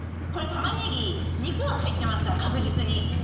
これタマネギ、２個は入ってますから、確実に。